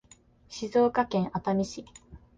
静岡県熱海市